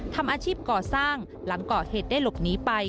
ทำอาชีพก่อสร้างหลังก่อเหตุได้หลบหนีไป